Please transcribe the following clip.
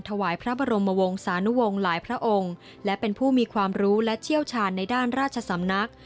ถวายพระบรมวงศานุวงศ์หลายพระองค์และเป็นผู้มีความรู้และเชี่ยวชาญในด้านราชสำนัก